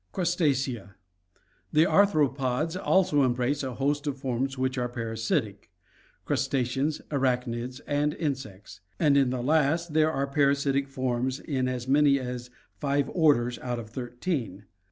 Crustacea. — The arthropods also embrace a host of forms which are parasitic — crustaceans, arachnids, and insects — and in the last there are parasitic forms in as many as five orders out of thirteen.